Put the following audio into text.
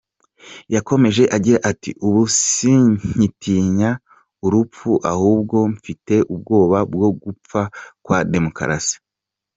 Yakomeje agira ati ‟Ubu singitinya urupfu, ahubwo mfite ubwoba bwo gupfa kwa demokarasi.